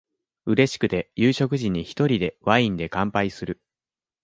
うれしくて、夕食時に一人で、ワインで乾杯する。